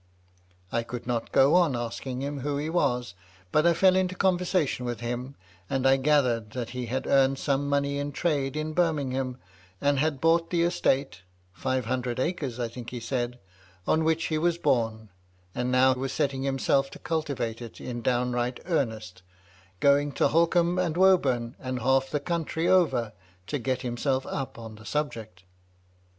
I could not go on asking him who he was ; but I fell into conversation with him, and I gathered that he had earned some money in trade in Birmingham, and had bought the estate (five hundred acres, I think he said,) on which he was bom, and now was setting himself to cultivate it in downright earnest, going to Holkham and Woburn, and half the country over, to get himself up on the subject."